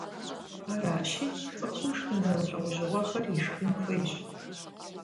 Аращи, цӀыхум шхын зэмылӀэужъыгъуэхэр ишхын хуейщ.